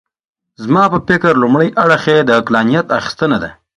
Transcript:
زما په فکر لومړی اړخ یې د عقلانیت اخیستنه ده.